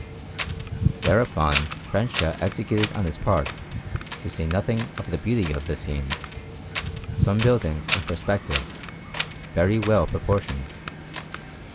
Thereupon Francia executed on his part, to say nothing of the beauty of the scene, some buildings in perspective, very well proportioned.